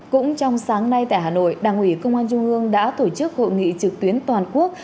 cũng trong sáng nay tại hà nội đảng ủy công an trung ương đã tổ chức hội nghị trực tuyến toàn quốc